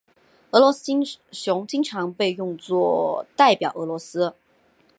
俄罗斯熊经常被用作代表俄罗斯。